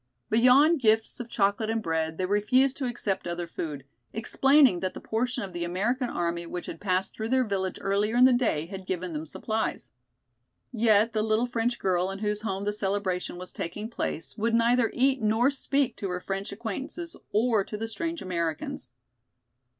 Beyond gifts of chocolate and bread, they refused to accept other food, explaining that the portion of the American army which had passed through their village earlier in the day had given them supplies. Yet the little French girl in whose home the celebration was taking place would neither eat nor speak to her French acquaintances or to the strange Americans.